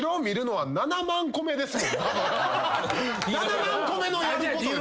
７万個目のやること。